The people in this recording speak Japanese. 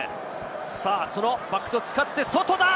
そのバックスを使って外だ！